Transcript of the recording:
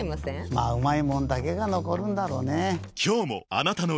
まぁうまいもんだけが残るんだろうねぇ。